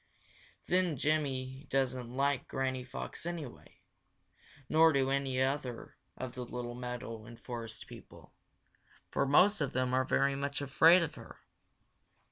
Then Jimmy doesn't like Granny Fox anyway, nor do any of the other little meadow and forest people, for most of them are very much afraid of her.